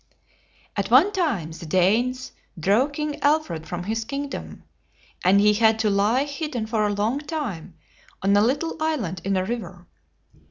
At one time the Danes drove King Alfred from his kingdom, and he had to lie hidden for a long time on a little is land in a river.